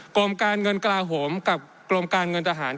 กรมการเงินกลาโหมกับกรมการเงินทหาร